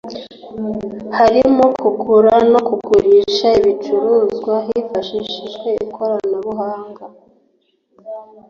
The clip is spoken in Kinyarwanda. harimo kugura no kugurisha ibicuruzwa hifashishijwe ikoranabuhanga